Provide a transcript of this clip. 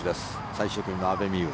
最終組の阿部未悠。